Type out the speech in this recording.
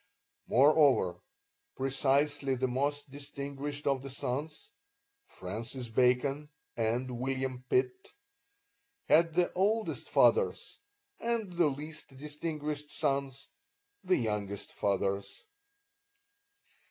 Moreover, precisely the most distinguished of the sons (Francis Bacon and William Pitt) had the oldest fathers, and the least distinguished sons the youngest fathers.